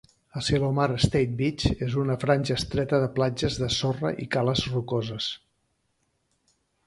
Asilomar State Beach és una franja estreta de platges de sorra i cales rocoses.